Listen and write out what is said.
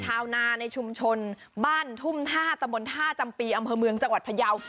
ชาวนาในชุมชนบ้านทุ่มท่าตะบนท่าจำปีอำเภอเมืองจังหวัดพยาว